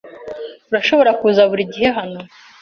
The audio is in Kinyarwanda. Urashobora kuza buri gihe hano.